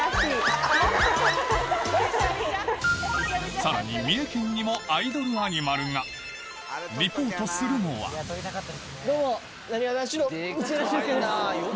さらに三重県にもアイドルアニマルがリポートするのはどうもなにわ男子の道枝駿佑です。